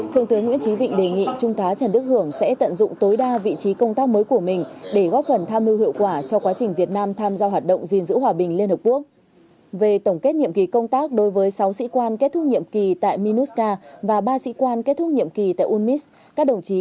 thượng tướng nguyễn trí vịnh đề nghị trung tá trần đức hưởng sẽ tận dụng tối đa vị trí công tác mới của mình để góp phần tham mưu hiệu quả cho quá trình việt nam tham gia hoạt động dừng giữ hòa bình liên hợp quốc